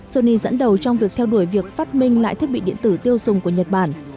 sony dẫn đầu trong việc theo đuổi việc phát minh lại thiết bị điện tử tiêu dùng của nhật bản